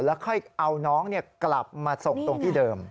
แล้วค่อยเอาน้องกลับมาส่งตรงที่เดิม